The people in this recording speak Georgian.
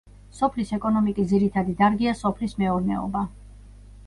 სოფლის ეკონომიკის ძირითადი დარგია სოფლის მეურნეობა.